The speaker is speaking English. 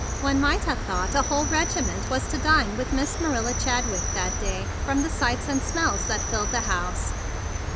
One might have thought a whole regiment were to dine with Miss Marilla Chadwick that day, from the sights and smells that filled the house.